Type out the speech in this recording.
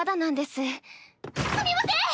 すみません！